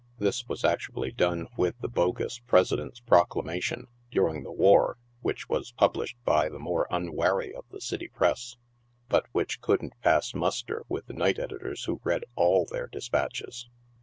This was actually done with the bogus President's Proclamation, during the war, which was published by the more unwary of the city Press, but which couldn't pass muster with the night editors who read all their despatches.